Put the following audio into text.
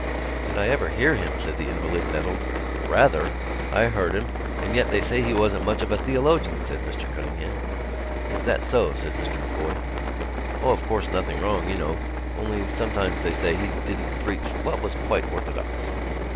"Did I ever hear him!" said the invalid, nettled. "Rather! I heard him...." "And yet they say he wasn't much of a theologian," said Mr Cunningham. "Is that so?" said Mr M'Coy. "O, of course, nothing wrong, you know. Only sometimes, they say, he didn't preach what was quite orthodox."